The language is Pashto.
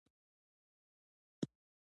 د مذهب سېمبولیکو پدیدو ته توجه زیاته شوې ده.